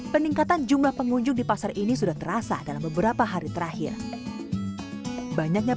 peningkatan jumlah pengunjung di pasar ini sudah terasa dalam beberapa hari terakhir banyaknya